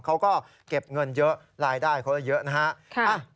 เขาก็เก็บเงินเยอะรายได้เขาก็เยอะนะฮะ